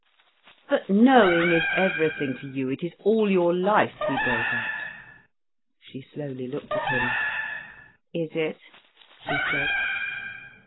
"But knowing is everything to you, it is all your life," he broke out. She slowly looked at him. "Is it?" she said.